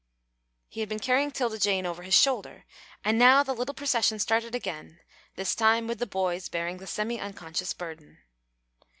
He had been carrying 'Tilda Jane over his shoulder, and now the little procession started again, this time with the boys bearing the semi unconscious burden.